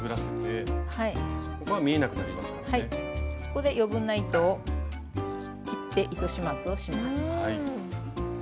ここで余分な糸を切って糸始末をします。